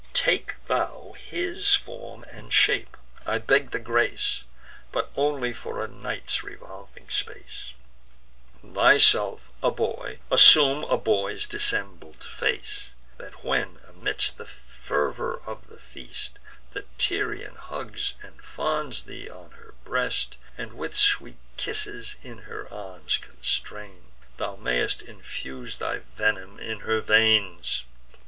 Take thou his form and shape. I beg the grace But only for a night's revolving space: Thyself a boy, assume a boy's dissembled face; That when, amidst the fervour of the feast, The Tyrian hugs and fonds thee on her breast, And with sweet kisses in her arms constrains, Thou may'st infuse thy venom in her veins."